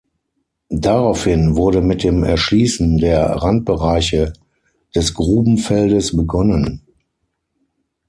Daraufhin wurde mit dem Erschließen der Randbereiche des Grubenfeldes begonnen.